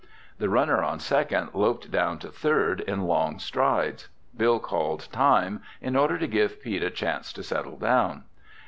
The runner on second loped down to third in long strides. Bill called time in order to give Pete a chance to settle down.